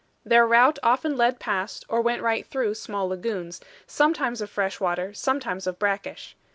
Their route often led past or went right through small lagoons, sometimes of fresh water, sometimes of brackish.